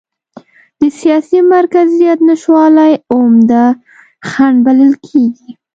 د سیاسي مرکزیت نشتوالی عمده خنډ بلل کېږي.